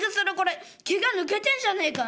毛が抜けてんじゃねえか」。